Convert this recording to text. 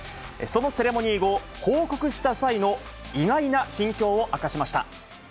そのセレモニー後、報告した際の意外な心境を明かしました。